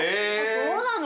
そうなの？